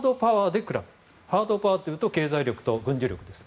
ハードパワーというと経済力と軍事力です。